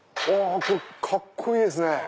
カッコいいですね！